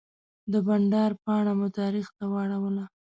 د بانډار پاڼه مو تاریخ ته واړوله.